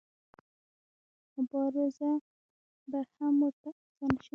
مبارزه به هم ورته اسانه شي.